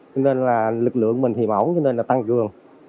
cho nên là lực lượng mình thì mẫu cho nên là tăng cường